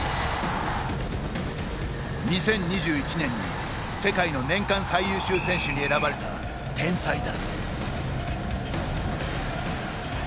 ２０２１年に世界の年間最優秀選手に選ばれた天才だ。